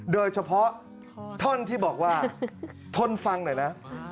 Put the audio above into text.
โดยเฉพาะท่อนที่บอกว่าทนฟังหน่อยนะ